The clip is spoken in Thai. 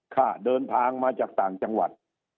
ค่าเดินทางมาจากต่างจังหวัด